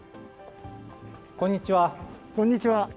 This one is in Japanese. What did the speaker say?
こんにちは。